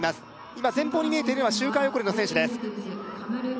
今前方に見えているのは周回遅れの選手です